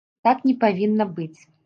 Так не павінна быць.